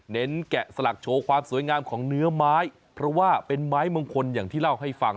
แกะสลักโชว์ความสวยงามของเนื้อไม้เพราะว่าเป็นไม้มงคลอย่างที่เล่าให้ฟัง